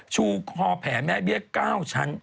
ชูคอแผ่แม่เบี้ยเก้าชัน